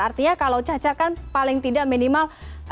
artinya kalau cacar kan paling tidak minimal